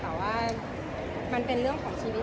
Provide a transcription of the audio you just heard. แต่ว่ามันเป็นเรื่องของชีวิต